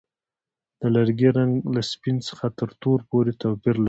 د لرګي رنګ له سپین څخه تر تور پورې توپیر لري.